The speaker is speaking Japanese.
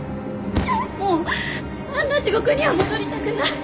もうあんな地獄には戻りたくない。